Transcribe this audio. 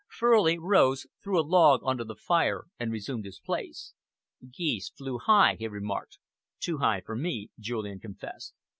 Furley rose, threw a log on to the fire and resumed his place. "Geese flew high," he remarked. "Too high for me," Julian confessed.